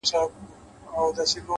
باور د بریا لومړنی قدم دی’